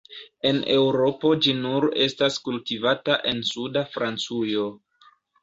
En Eŭropo ĝi nur estas kultivata en suda Francujo.